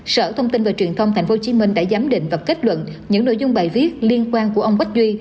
sở thông tin và truyền thông tp hcm đã giám định và kết luận những nội dung bài viết liên quan của ông bách duy